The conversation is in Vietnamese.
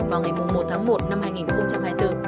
vào ngày một tháng một năm hai nghìn hai mươi bốn